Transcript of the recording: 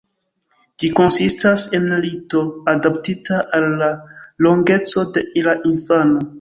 Ĝi konsistas el lito adaptita al la longeco de la infano.